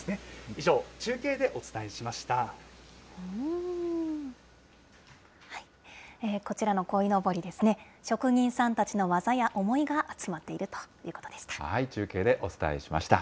以上、中継でこちらのこいのぼりですね、職人さんたちの技や思いが集まっているということでした。